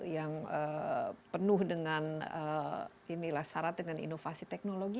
yang penuh dengan syarat dengan inovasi teknologi